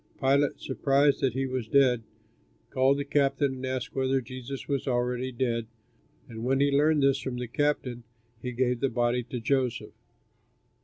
Pilate, surprised that he was dead, called the captain and asked whether Jesus was already dead, and when he learned this from the captain he gave the body to Joseph.